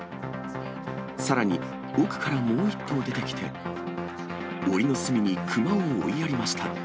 さらに、奥からもう１頭出てきて、おりの隅に熊を追いやりました。